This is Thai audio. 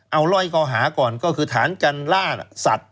เออแล้วปืนอะไร